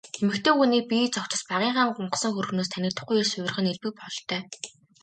Эмэгтэй хүний бие цогцос багынхаа гунхсан хөөрхнөөс танигдахгүй эрс хувирах нь элбэг бололтой.